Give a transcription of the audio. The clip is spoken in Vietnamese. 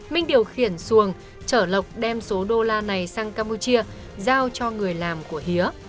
minh điều khiển xuồng chở lộc đem số đô la này sang campuchia giao cho người làm của hía